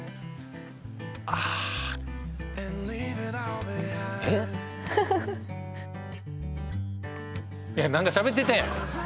あーっ何かしゃべってたやん！